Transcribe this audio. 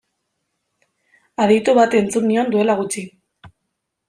Aditu bati entzun nion duela gutxi.